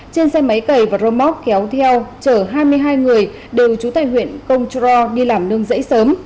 trên xe máy cày và rơ móc kéo theo chở hai mươi hai người đều chú tại huyện công trò đi làm nương dãy sớm